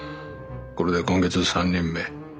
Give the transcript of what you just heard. これで今月三人目。